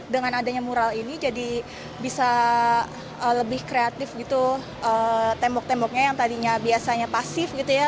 dengan adanya mural ini jadi bisa lebih kreatif gitu tembok temboknya yang tadinya biasanya pasif gitu ya